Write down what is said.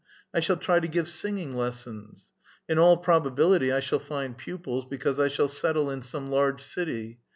I shall try to give singing lessons. In all probability I shall find pupils, because I shall settle in some large city.